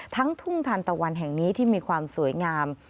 ทุ่งทันตะวันแห่งนี้ที่มีความสวยงาม